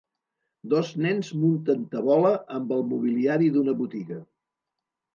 Dos nens munten tabola amb el mobiliari d'una botiga.